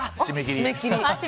締め切り。